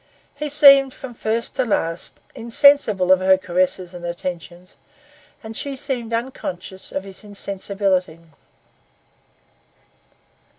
He seemed, from first to last, insensible of her caresses and attentions, and she seemed unconscious of his insensibility.